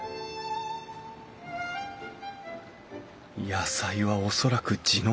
野菜は恐らく地のもの。